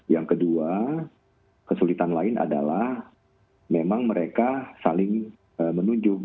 yang kedua kesulitan lain adalah memang mereka saling menunjuk